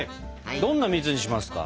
どんな蜜にしますか？